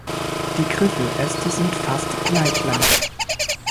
Die Griffeläste sind fast gleich lang.